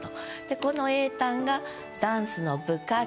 この詠嘆がダンスの部活